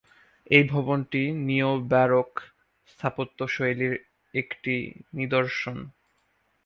এই ভবনটি নিও-ব্যারোক স্থাপত্যশৈলীর একটি নিদর্শন।